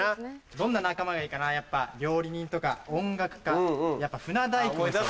どんな仲間がいいかなやっぱ料理人とか音楽家やっぱ船大工も。